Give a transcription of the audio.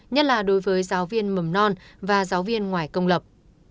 nhất là đối với giáo viên mầm non và giáo viên ngoài công lập